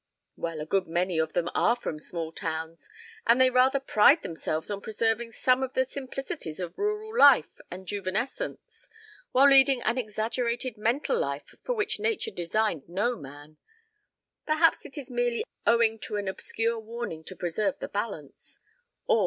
"Well, a good many of them are from small towns and they rather pride themselves on preserving some of the simplicities of rural life and juvenescence, while leading an exaggerated mental life for which nature designed no man. Perhaps it is merely owing to an obscure warning to preserve the balance.